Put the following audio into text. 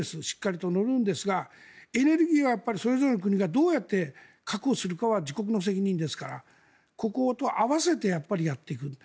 しっかりと乗るんですがエネルギーはそれぞれの国がどうやって確保するかは自国の責任ですからここと併せてやっていく。